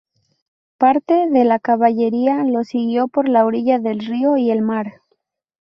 Parte de la caballería los siguió por la orilla del río y el mar.